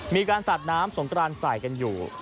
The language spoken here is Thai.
มีการสัดน้ำสงกรานใส่กันอยู่